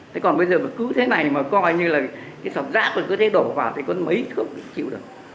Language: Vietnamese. thế còn bây giờ cứ thế này mà coi như là cái sọc giã còn có thể đổ vào thì con mấy không chịu được